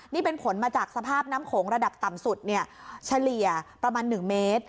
นี่เป็นผลมาจากสภาพน้ำโขงระดับต่ำสุดเฉลี่ยประมาณ๑เมตร